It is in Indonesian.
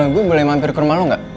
gue boleh mampir ke rumah lo nggak